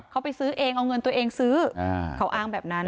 เขาไปซื้อเองเอาเงินตัวเองซื้อเขาอ้างแบบนั้น